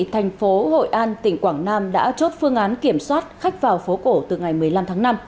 thành phố hội an tỉnh quảng nam đã chốt phương án kiểm soát khách vào phố cổ từ ngày một mươi năm tháng năm